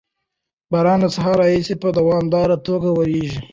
باران له سهار راهیسې په دوامداره توګه ورېږي.